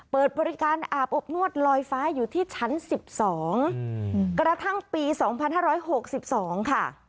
เปิดบริการอาบอบนวดลอยฟ้าอยู่ที่ชั้น๑๒กระทั่งปี๒๕๖๒ค่ะ